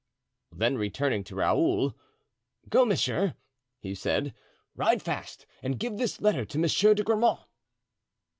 Then, turning toward Raoul: "Go, monsieur," he said; "ride fast and give this letter to Monsieur de Grammont."